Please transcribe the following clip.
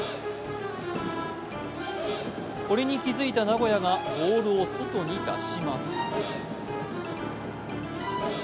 これに気づいた名古屋がボールを外に出します。